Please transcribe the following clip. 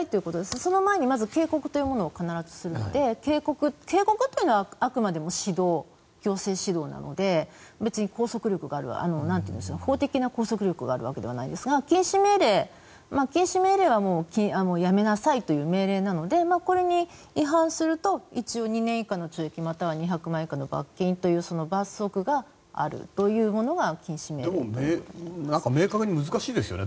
その前にまず警告というものを必ずするので警告というのはあくまでも指導行政指導なので別に法的な拘束力があるわけではないですが禁止命令はやめなさいという命令なのでこれに違反すると一応、２年以下の懲役または２００万円以下の罰金という罰則があるというものが明確に難しいですよね。